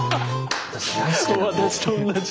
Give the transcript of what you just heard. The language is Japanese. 私と同じ。